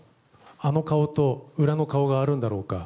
あの顔と裏の顔があるんだろうか。